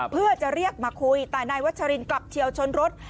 เพื่อจะเรียกมาคุยแต่นายวัชรินกลับเฉียวชนรถ